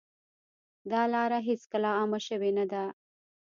دا لاره هېڅکله عامه شوې نه ده.